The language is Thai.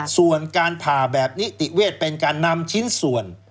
ส่วนการผ่าแบบนิติเวทเป็นการนำชิ้นส่วน